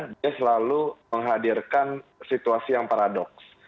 dia selalu menghadirkan situasi yang paradoks